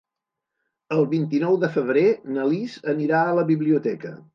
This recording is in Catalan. El vint-i-nou de febrer na Lis anirà a la biblioteca.